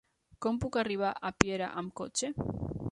Com puc arribar a Piera amb cotxe?